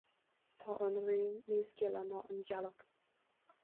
Tá an ghrian níos gile ná an ghealach,